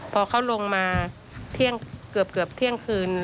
พอเขาลงมาเกือบเที่ยงคืน